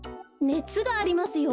ねつがありますよ。